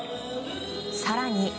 更に。